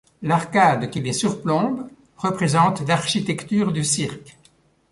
L'arcade qui les surplombe représente l'architecture du cirque.